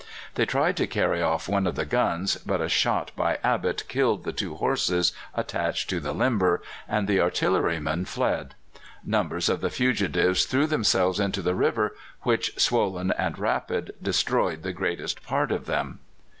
They tried to carry off one of the guns, but a shot by Abbott killed the two horses attached to the limber, and the artillerymen fled. Numbers of the fugitives threw themselves into the river, which, swollen and rapid, destroyed the greatest part of them.